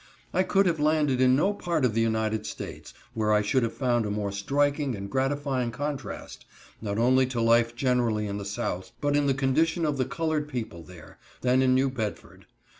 I could have landed in no part of the United States where I should have found a more striking and gratifying contrast, not only to life generally in the South, but in the condition of the colored people there, than in New Bedford.